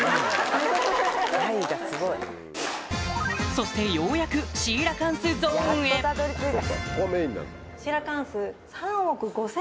そしてようやくシーラカンスゾーンへシーラカンス。